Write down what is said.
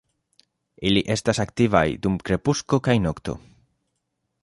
Ili estas aktivaj dum krepusko kaj nokto.